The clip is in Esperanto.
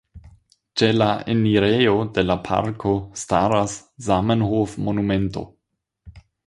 Ĉe la enirejo de la parko staras Zamenhof-monumento.